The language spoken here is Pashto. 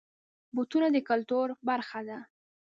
بوټونه د کلتور برخه دي.